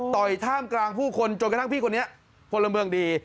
ท่ามกลางผู้คนจนกระทั่งพี่คนนี้พลเมืองดี